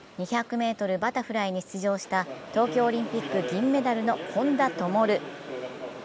２００ｍバタフライに出場した東京オリンピック銀メダルの本多灯。